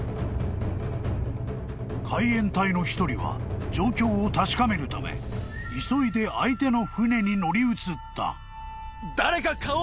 ［海援隊の一人は状況を確かめるため急いで相手の船に乗り移った］